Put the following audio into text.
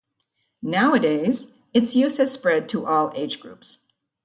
Nowadays, its use has spread to all age groups.